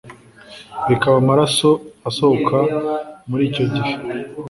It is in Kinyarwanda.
bikaba amaraso asohoka muri icyo gihe